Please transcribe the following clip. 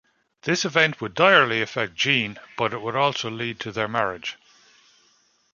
This event would direly affect Jean, but it would also lead to their marriage.